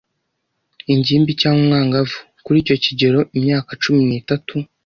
ingimbi cyangwa umwangavu. Kuri icyo kigero (imyaka cumi nitatu